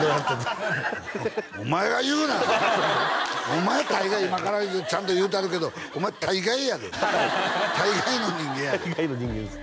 お前大概今からちゃんと言うたるけどお前大概やで大概の人間やで大概の人間です